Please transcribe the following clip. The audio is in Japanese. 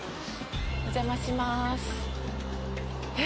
お邪魔します。